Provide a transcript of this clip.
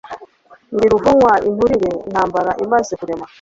Ndi Ruvunywa inturire intambara imaze kurema